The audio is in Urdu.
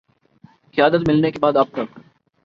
قیادت ملنے کے بعد اب تک